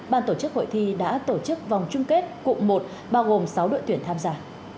ban tổ chức hội thi đã tổ chức vòng chung kết cụm một bao gồm sáu đội tuyển tham gia